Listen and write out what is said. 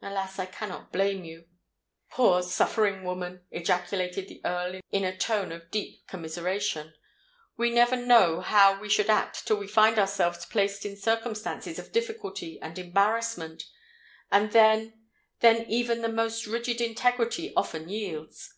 "Alas! I cannot blame you, poor, suffering woman?" ejaculated the Earl in a tone of deep commiseration. "We never know how we should act until we find ourselves placed in circumstances of difficulty and embarrassment; and then—then even the most rigid integrity often yields!